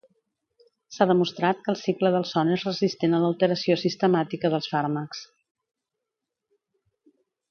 S'ha demostrat que el cicle del son és resistent a l'alteració sistemàtica dels fàrmacs.